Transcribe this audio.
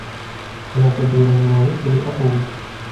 أنا كبير بما يكفي لأقود.